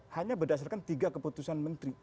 hanya berdasarkan tiga keputusan menteri